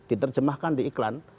itu diterjemahkan di iklan